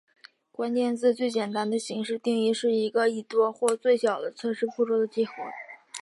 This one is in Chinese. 关键字最简单形式的定义是一个或多个最小测试步骤的集合。